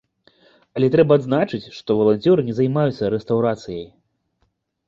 Але трэба адзначыць, што валанцёры не займаюцца рэстаўрацыяй.